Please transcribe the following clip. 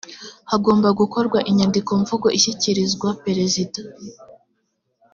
hagomba gukorwa inyandikomvugo ishyikirizwa perezida